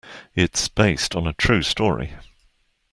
It's based on a true story.